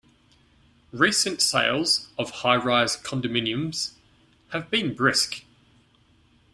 Recent sales of high-rise condominiums have been brisk.